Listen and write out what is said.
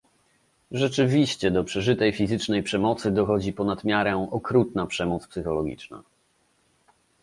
Rzeczywiście do przeżytej fizycznej przemocy dochodzi ponad miarę okrutna przemoc psychologiczna